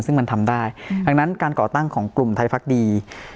ซึ่งมันทำได้ดังนั้นการก่อตั้งของกลุ่มไทยพักดี